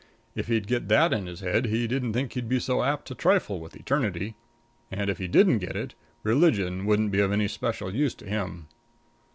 If he'd get that in his head he didn't think he'd be so apt to trifle with eternity; and if he didn't get it, religion wouldn't be of any special use to him.